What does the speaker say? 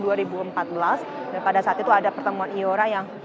dan pada saat itu ada pertemuan iora yang